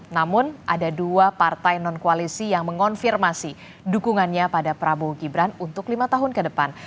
namun ada dua partai non koalisi yang mengonfirmasi dukungannya pada prabowo gibran untuk lima tahun ke depan